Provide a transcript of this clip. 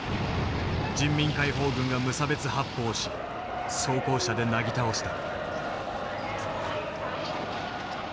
人民解放軍が無差別発砲をし装甲車でなぎ倒した。